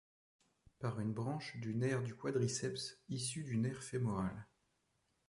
Par une branche du nerf du quadriceps, issu du nerf fémoral.